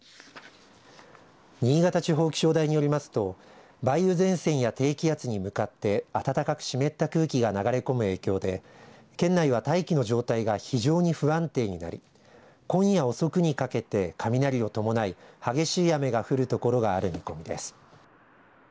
新潟地方気象台によりますと梅雨前線や低気圧に向かって暖かく湿った空気が流れ込む影響で県内は大気の状態が非常に不安定になり今夜遅くにかけて雷を伴い激しい雨が降るところがある見込みです。